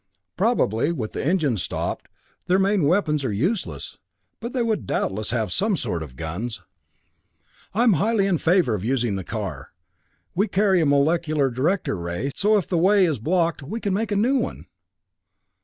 Probably, with the engines stopped, their main weapons are useless, but they would doubtless have some sort of guns. I'm highly in favor of using the car. We carry a molecular director ray, so if the way is blocked, we can make a new one."